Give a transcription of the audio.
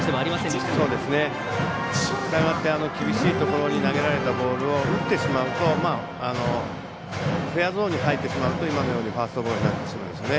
したがって厳しいところに投げられたボールを打ってしまうとフェアゾーンに入ってしまうと今のようにファーストゴロになってしまいますよね。